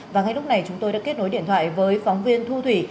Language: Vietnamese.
và ngay lúc này chúng tôi đã kết nối điện thoại với phóng viên thu thủy